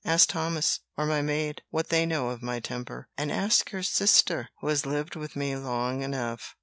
Ask Thomas, or my maid, what they know of my temper, and ask your sister, who has lived with me long enough."